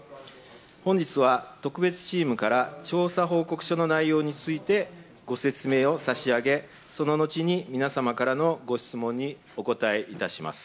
本日は特別チームから調査報告書の内容についてご説明をさしあげ、その後に皆様からのご質問にお答えいたします。